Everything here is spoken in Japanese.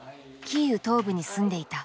キーウ東部に住んでいた。